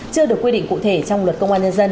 chưa được quy định cụ thể trong luật công an nhân dân